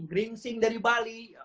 grim sing dari bali